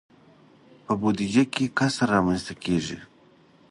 په بودجه کې کسر رامنځته کیږي.